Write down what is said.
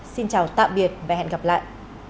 xin chào tạm biệt và hẹn gặp lại